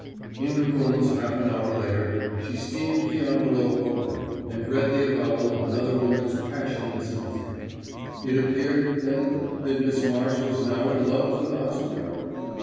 In her rooms half an hour later she steamed the envelope open, and read the avowal of another woman's passion and sympathy. It appeared, then, that Miss Marsh was now in love with Osborne?